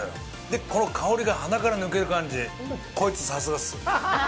で、香りが鼻から抜ける感じ。こいつ、さすがっす。